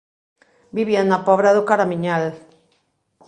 Vivía na Pobra do Caramiñal.